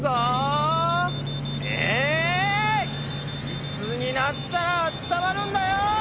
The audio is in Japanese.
いつになったらあったまるんだよ！